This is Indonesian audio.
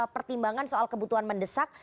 pertimbangan soal kebutuhan mendesak